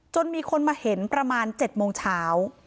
จนมีคนมาเห็นประมาณเจ็ดโมงเช้า